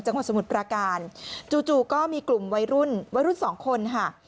สมุทรปราการจู่ก็มีกลุ่มวัยรุ่นวัยรุ่นสองคนค่ะ